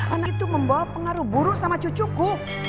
anak itu membawa pengaruh buruk sama cucuku